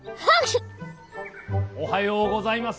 おはようございます。